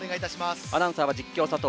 アナウンサーは実況は佐藤